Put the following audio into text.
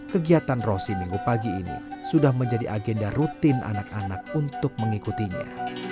kegiatan rosi minggu pagi ini sudah menjadi agenda rutin anak anak untuk mengikutinya